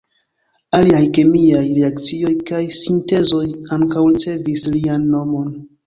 Aliaj kemiaj reakcioj kaj sintezoj ankaŭ ricevis lian nomon.